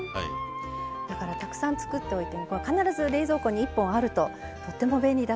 だからたくさん作っておいて必ず冷蔵庫に１本あるととっても便利だと思います。